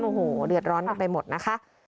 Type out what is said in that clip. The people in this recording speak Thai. โอ้โหเดือดร้อนกันไปหมดนะคะ